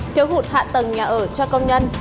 thiếu hụt hạ tầng nhà ở cho công nhân